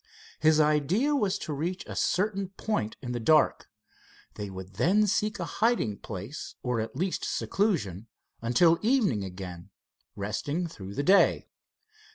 His idea was to reach a certain point in the dark. They would then seek a hiding place, or at least seclusion, until evening again, resting through the day.